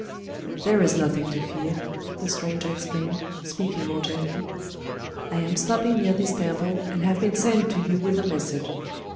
"There is nothing to fear," the stranger exclaimed, speaking more gently. "I am stopping near this temple, and have been sent to you with a message.